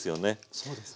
そうですね。